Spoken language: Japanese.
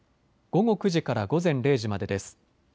午後９時から午前０時までです。